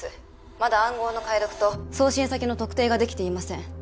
まだ暗号の解読と送信先の特定ができていません